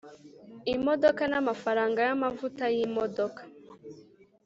imodoka na mafaranga y’amavuta y’imodoka